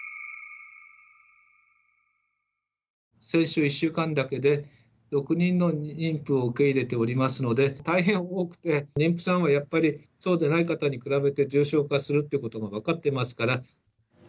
先週１週間だけで６人の妊婦を受け入れておりますので、大変多くて、妊婦さんはやっぱりそうでない方に比べて重症化するっていうことが分かってますから。